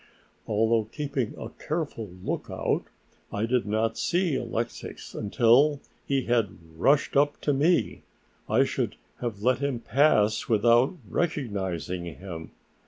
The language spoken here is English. Although keeping a careful lookout, I did not see Alexix until he had rushed up to me. I should have let him pass without recognizing him.